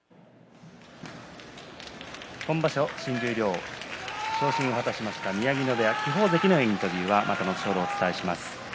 今場所、新十両昇進を果たしました宮城野部屋輝鵬関のインタビューはまた後ほど、お伝えします。